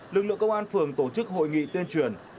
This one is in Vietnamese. lực lượng công an phường tổ chức hội nghị tuyên truyền